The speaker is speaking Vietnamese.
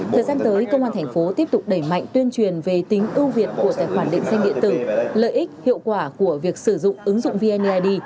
thời gian tới công an thành phố tiếp tục đẩy mạnh tuyên truyền về tính ưu việt của tài khoản định danh điện tử lợi ích hiệu quả của việc sử dụng ứng dụng vneid